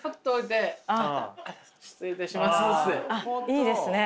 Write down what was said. いいですね！